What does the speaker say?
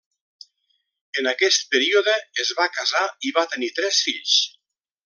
En aquest període es va casar i va tenir tres fills.